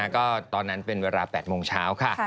ก็ตอนนั้นเป็นเวลา๘โมงเช้าค่ะ